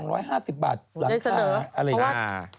บริหารก็ร้อย๒๕๐บาทหลังคา